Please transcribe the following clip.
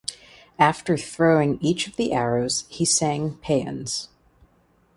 After throwing each of the arrows he sang paeans.